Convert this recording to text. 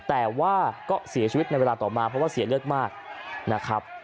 แต่ว่าก็เสียชีวิตในเวลาต่อมาเพราะว่าเสียเลือดมากนะครับ